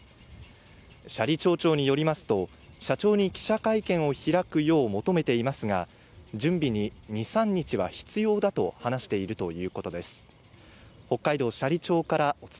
斜里町長によりますと、社長に記者会見を開くよう求めていますが準備に２３日は必要だと話しているということです。